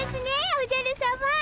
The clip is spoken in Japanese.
おじゃるさま。